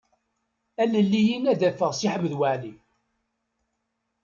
Alel-iyi ad d-afeɣ Si Ḥmed Waɛli.